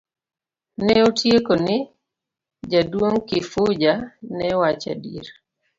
Ne otieko ni jaduong' Kifuja ne wacho adier.